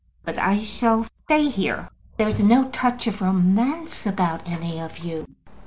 "But I shall stay here. There's no touch of romance about any of you.